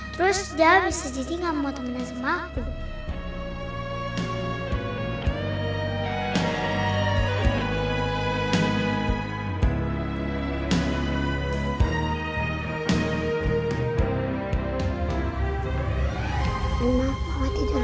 terus dia bisa jadi gak mau temennya sama aku